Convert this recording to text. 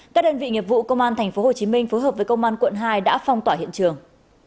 các đơn vị nghiệp vụ công an tp hcm phối hợp với công an quận hai đã phong tỏa hiện trường